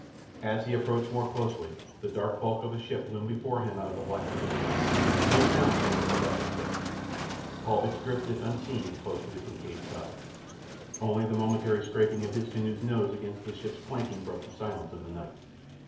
As he approached more closely the dark bulk of a ship loomed before him out of the blackness of the night. No sound came from the vessel's deck. Paulvitch drifted, unseen, close to the Kincaid's side. Only the momentary scraping of his canoe's nose against the ship's planking broke the silence of the night.